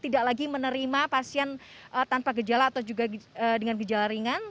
tidak lagi menerima pasien tanpa gejala atau juga dengan gejala ringan